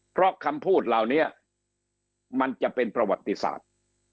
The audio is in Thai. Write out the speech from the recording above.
เพราะคำพูดเหล่านี้มันจะเป็นประวัติศาสตร์